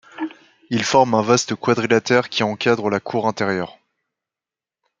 Il forme un vaste quadrilatère qui encadre la cour intérieur.